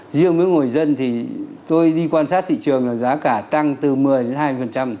riêng với người dân thì tôi đi quan sát thị trường là giá cả tăng từ một mươi đến hai